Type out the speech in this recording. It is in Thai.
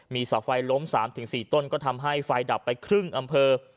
มีเสาไฟล้ม๓๔ต้นก็ทำให้ไฟดับไปครึ่งอำเภอ